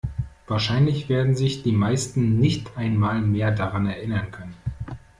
Wahrscheinlich werden sich die meisten nicht einmal mehr daran erinnern können.